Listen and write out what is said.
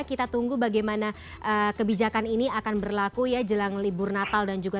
kita tunggu bagaimana kebijakan ini akan berlaku ya jelang libur natal dan juga